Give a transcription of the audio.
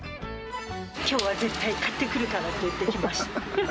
きょうは絶対買ってくるからって言ってきました。